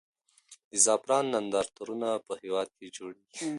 د زعفرانو نندارتونونه په هېواد کې جوړېږي.